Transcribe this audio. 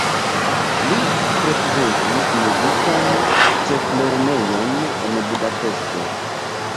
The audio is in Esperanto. Li frekventis muzikan ĉeflernejon en Budapeŝto.